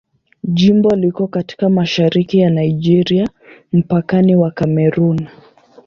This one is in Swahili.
Jimbo liko katika mashariki ya Nigeria, mpakani wa Kamerun.